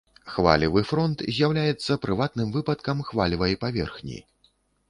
Хвалевы фронт з'яўляецца прыватным выпадкам хвалевай паверхні.